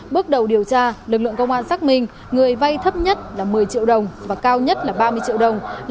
bước đầu điều tra lực lượng công an xác minh người vay thấp nhất là một mươi triệu đồng và cao nhất là ba mươi triệu đồng